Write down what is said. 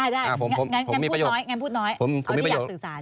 ได้แต่งั้นพูดน้อยแถมภาวะอยากสื่อศาล